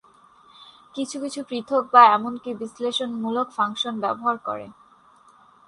কিছু কিছু পৃথক বা এমনকি বিশ্লেষণমূলক ফাংশন ব্যবহার করে।